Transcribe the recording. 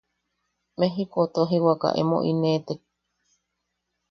Mejikou tojiwaka emo ineʼetek.